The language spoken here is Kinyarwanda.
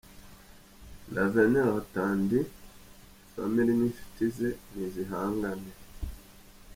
L’avenir l’attendait!! Family n’inshuti ze ni zihangane.